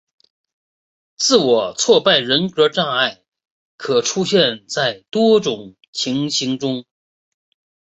自我挫败人格障碍可出现在多种情形中。